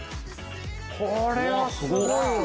これはすごいようわ。